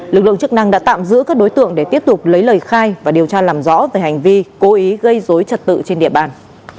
lực lượng chức năng đã tạm giữ các đối tượng để tiếp tục lấy lời khai và điều tra làm rõ về hành vi cố ý gây dối trật tự trên địa bàn